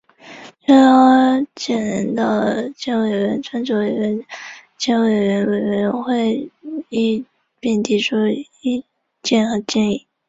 最高检领导、检委会专职委员、检委会委员出席会议并提出意见建议